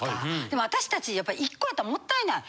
でも私たちやっぱ１コやったらもったいない。